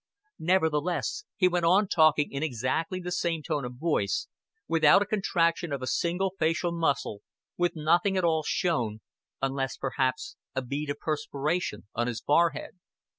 Nevertheless he went on talking in exactly the same tone of voice, without a contraction of a single facial muscle, with nothing at all shown unless perhaps a bead of perspiration on his forehead.